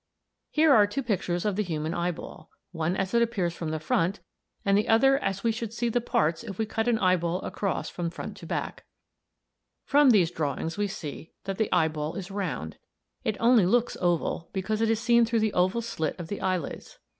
Here are two pictures of the human eyeball (Figs. 10 and 11), one as it appears from the front, and the other as we should see the parts if we cut an eyeball across from the front to the back. From these drawings we see that the eyeball is round; it only looks oval, because it is seen through the oval slit of the eyelids.